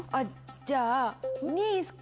じゃあ。